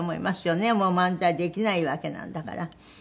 もう漫才できないわけなんだから。